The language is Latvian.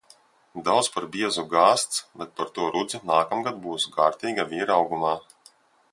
Daudz par biezu gāzts, bet par to rudzi nākamgad būs kārtīga vīra augumā.